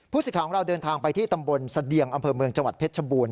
สิทธิ์ของเราเดินทางไปที่ตำบลเสดียงอำเภอเมืองจังหวัดเพชรชบูรณ